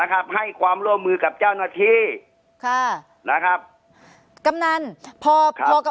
ครับให้ความร่วมมือกับเจ้าหน้าที่ค่ะนะครับกำนันพอพอกับ